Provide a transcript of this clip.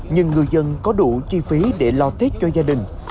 nhưng người dân có đủ chi phí để lo tết cho gia đình